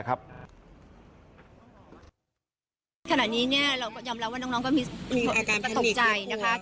ขณะนี้เรายอมรับว่าน้องก็ตกใจนะคะ